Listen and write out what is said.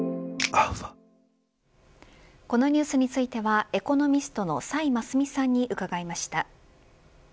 このニュースについてはエコノミストの崔真淑さんに伺いました。